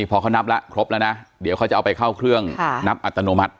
พอเขานับแล้วเขาจะเอาไปเข้าเครื่องนับอัตโนมัติ